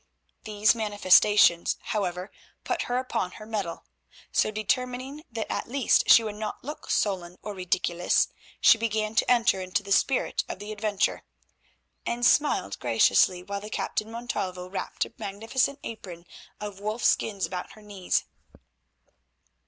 These manifestations, however, put her upon her mettle. So determining that at least she would not look sullen or ridiculous, she began to enter into the spirit of the adventure, and smiled graciously while the Captain Montalvo wrapped a magnificent apron of wolf skins about her knees.